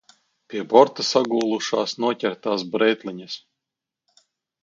Pie borta sagūlušas noķertās brētliņas.